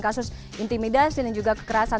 kasus intimidasi dan juga kekerasan